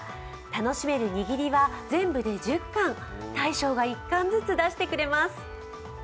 楽しめる握りは、全部で１０貫、大将が１貫ずつ出してくれます。